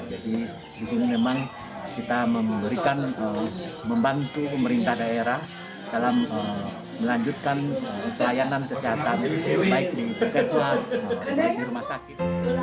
jadi disini memang kita memberikan membantu pemerintah daerah dalam melanjutkan pelayanan kesehatan baik di keselamatan baik di rumah sakit